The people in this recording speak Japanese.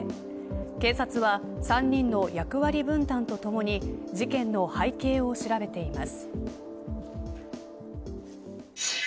警察は３人の役割分担とともに事件の背景を調べています。